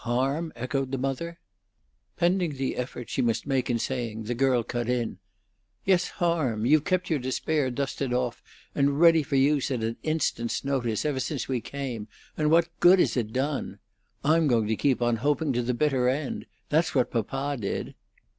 "Harm?" echoed the mother. Pending the effort she must make in saying, the girl cut in: "Yes, harm. You've kept your despair dusted off and ready for use at an instant's notice ever since we came, and what good has it done? I'm going to keep on hoping to the bitter end. That's what papa did."